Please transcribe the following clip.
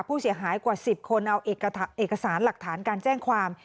ผู้เสียหายกว่า๑๐คนเอาเอกสารหลักฐานการแจ้งความ